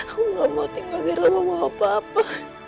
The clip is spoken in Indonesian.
aku gak mau tinggal di rumah bapak apa